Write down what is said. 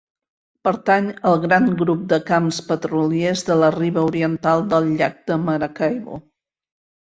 Pertany al gran grup de camps petroliers de la riba oriental del llac de Maracaibo.